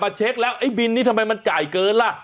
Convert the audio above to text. เช็คแล้วไอ้บินนี่ทำไมมันจ่ายเกินล่ะ